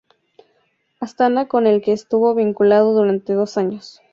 Astana con el que estuvo vinculado durante dos años.